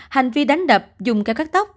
hành vi đánh đập dùng cái cắt tóc